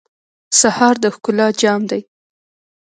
سهار د ښکلا جام دی.